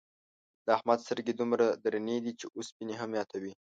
د احمد سترگې دومره درنې دي، چې اوسپنې هم ماتوي.